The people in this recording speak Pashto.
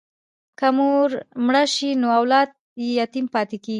که مور مړه شي نو اولاد یې یتیم پاتې کېږي.